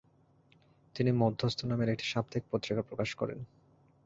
তিনি মধ্যস্থ নামের একটি সাপ্তাহিক পত্রিকা প্রকাশ করেন ।